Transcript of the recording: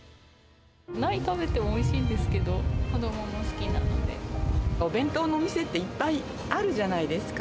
何食べてもおいしいんですけお弁当のお店っていっぱいあるじゃないですか。